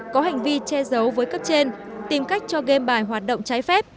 có hành vi che giấu với cấp trên tìm cách cho game bài hoạt động trái phép